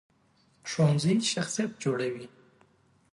ښوونځی شخصیت جوړوي